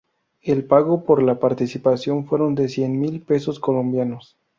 El pago por la participación fue de cien mil pesos colombianos.